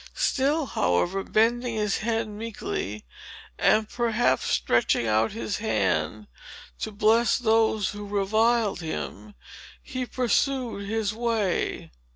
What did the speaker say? Still, however, bending his head meekly, and perhaps stretching out his hands to bless those who reviled him, he pursued his way.